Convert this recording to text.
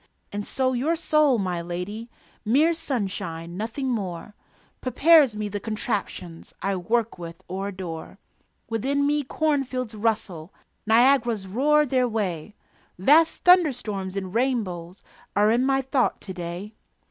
And so your soul, my lady (Mere sunshine, nothing more) Prepares me the contraptions I work with or adore. Within me cornfields rustle, Niagaras roar their way, Vast thunderstorms and rainbows Are in my thought to day.